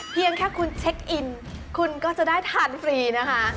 เพียงแค่คุณเช็คอินคุณก็จะได้ทานฟรีนะคะ